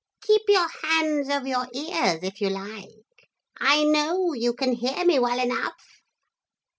Keep your hands over your ears if you like. I know you can hear me well enough.